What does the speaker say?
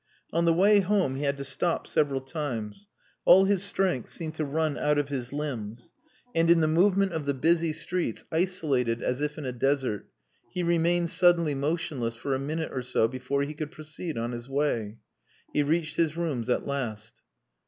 On the way home he had to stop several times; all his strength seemed to run out of his limbs; and in the movement of the busy streets, isolated as if in a desert, he remained suddenly motionless for a minute or so before he could proceed on his way. He reached his rooms at last.